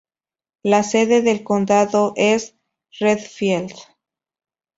La sede del condado es Redfield.